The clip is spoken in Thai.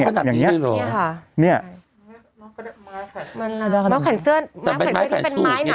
อย่างเงี้ยอย่างเงี้ยเนี่ยค่ะเนี่ยม้าขันเซอร์ม้าขันเซอร์ม้าขันเซอร์